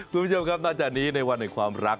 แต่เราก็มีแก้เลี่ยนในช่วงตลอด